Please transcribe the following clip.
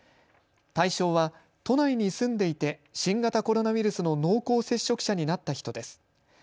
対象は都内に住んでいて新型コロナウイルスの濃厚接触者になった人です。